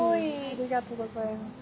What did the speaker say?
ありがとうございます。